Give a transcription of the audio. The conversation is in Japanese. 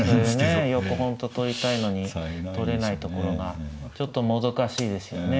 横歩本当取りたいのに取れないところがちょっともどかしいですよね。